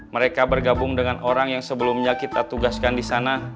mereka bergabung dengan orang yang sebelumnya kita tugaskan di sana